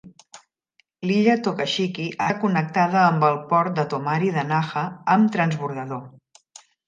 L'illa Tokashiki està connectada amb el port de Tomari de Naha amb transbordador.